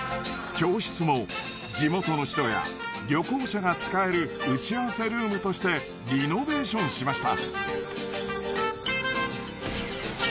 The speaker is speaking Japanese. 教室も地元の人や旅行者が使える打ち合わせルームとしてリノベーションしました。